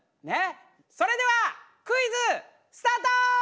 それではクイズスタート！